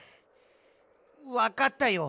わかったよ。